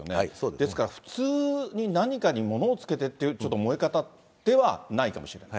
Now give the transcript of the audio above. ですから、普通に何かにものにつけてっていう、ちょっと燃え方ではないかもしれない。